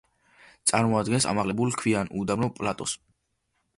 წარმოადგენს ამაღლებულ ქვიან უდაბნო პლატოს.